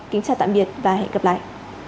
kính chào tạm biệt và hẹn gặp lại